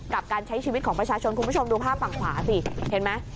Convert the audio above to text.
กับการใช้ชีวิตของประชาชนคุณผู้ชมดูภาพฝั่งขวาสิเห็นไหม